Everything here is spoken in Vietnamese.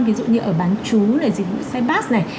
ví dụ như ở bán chú này dịch vụ saipass này